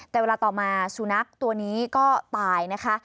แต่เวลาต่อมาสุนัขตัวนี้ก็ตายนะคะ